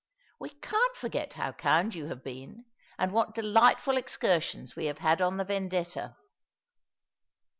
"We can't forget how kind you have been, and what delightful excursions we have had on the Vendetta.'"